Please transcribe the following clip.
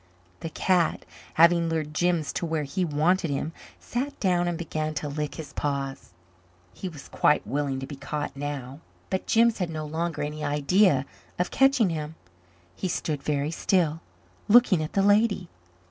The cat, having lured Jims to where he wanted him, sat down and began to lick his paws. He was quite willing to be caught now; but Jims had no longer any idea of catching him. He stood very still, looking at the lady.